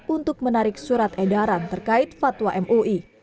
untuk menarik surat edaran terkait fatwa mui